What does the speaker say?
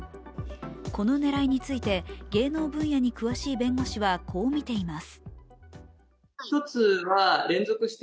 この問題について芸能分野に詳しい弁護士はこう見ています。